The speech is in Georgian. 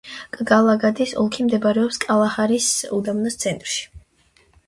კგალაგადის ოლქი მდებარეობს კალაჰარის უდაბნოს ცენტრში.